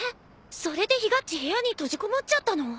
それでひがっち部屋に閉じこもっちゃったの？